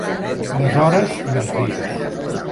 Les hores i els dies.